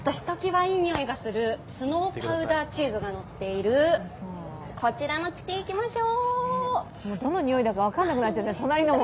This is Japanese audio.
いいにおいがする、スノーパウダーチーズがのっているこちらのチキン、いきましょう。